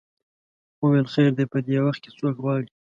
وویل خیر دی په دې وخت کې څوک غواړې.